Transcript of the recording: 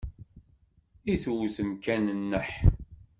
I tewtem kan nneḥ?